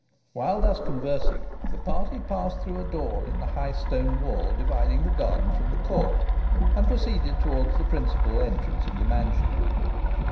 While thus conversing, the party passed through a door in the high stone wall dividing the garden from the court, and proceeded towards the principal entrance of the mansion.